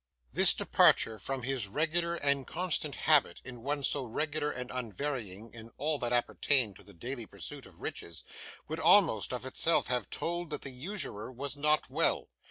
This departure from his regular and constant habit, in one so regular and unvarying in all that appertained to the daily pursuit of riches, would almost of itself have told that the usurer was not well.